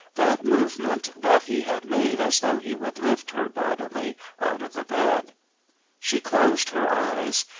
That movement that he had made as though he would lift her bodily out of the bed. She closed her eyes.